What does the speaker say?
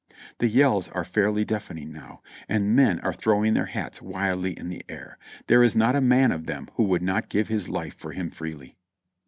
The yells are fairly deafening now, and men are throwing their hats wildly in the air. There is not a man of them who would not give his life for him freely.